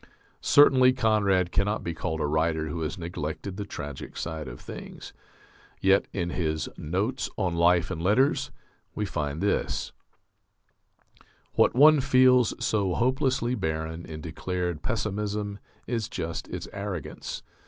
Certainly Conrad cannot be called a writer who has neglected the tragic side of things. Yet in his "Notes on Life and Letters," we find this: What one feels so hopelessly barren in declared pessimism is just its arrogance.